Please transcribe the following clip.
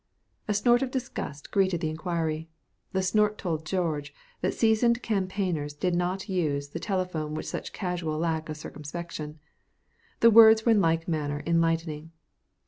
A snort of disgust greeted the inquiry. The snort told George that seasoned campaigners did not use the telephone with such casual lack of circumspection. The words were in like manner enlightening.